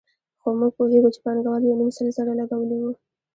خو موږ پوهېږو چې پانګوال یو نیم سل زره لګولي وو